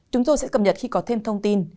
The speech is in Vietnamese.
chúng tôi sẽ cập nhật khi có thêm thông tin